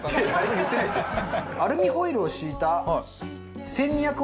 アルミホイルを敷いた１２００